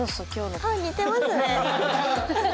あ似てますね。